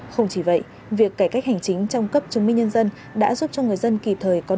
không chỉ vậy việc cải cách hành chính trong cấp chứng minh nhân dân đã giúp cho người dân kịp thời